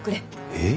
えっ？